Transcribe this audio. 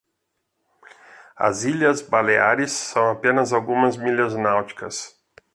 As Ilhas Baleares são apenas algumas milhas náuticas.